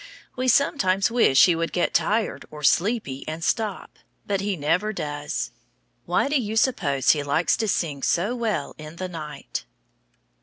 We sometimes wish he would get tired or sleepy and stop, but he never does. Why do you suppose he likes to sing so well in the night?